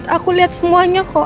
aku liat semuanya kok